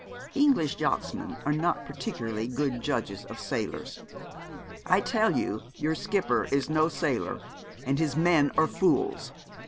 'English yachtsmen are not particularly good judges of sailors. I tell you your skipper is no sailor, and his men are fools.